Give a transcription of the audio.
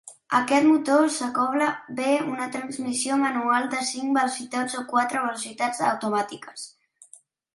Aquest motor s'acobla o bé a una transmissió manual de cinc velocitats o a quatre velocitats automàtiques.